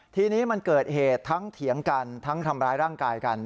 ทีนี้มันเกิดเหตุทั้งเถียงกันทั้งทำร้ายร่างกายกัน